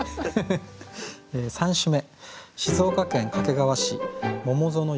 ３首目。